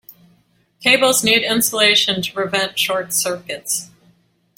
Cables need insulation to prevent short circuits.